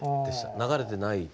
流れてない。